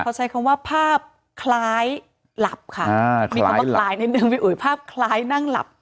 เขาใช้คำว่าภาพคล้ายหลับค่ะอ่ามีคำว่าคล้ายนิดนึงพี่อุ๋ยภาพคล้ายนั่งหลับ